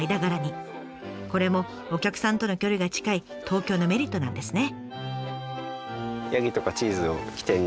これもお客さんとの距離が近い東京のメリットなんですね。